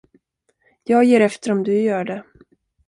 Jag ger efter om du gör det.